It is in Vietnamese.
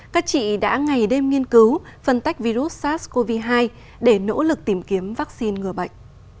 các chị đã ngày đêm nghiên cứu phân tách virus sars cov hai để nỗ lực tìm kiếm vaccine ngừa bệnh